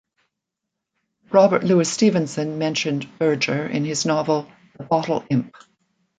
Robert Louis Stevenson mentioned Berger in his novel "The Bottle Imp".